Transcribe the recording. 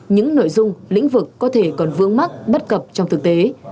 những nội dung lĩnh vực có thể còn vướng mắt bất cập trong thực tế